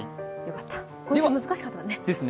今週、難しかったね。